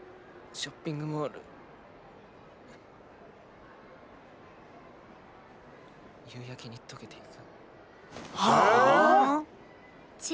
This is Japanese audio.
ショッピングモール夕焼けに溶けてゆく。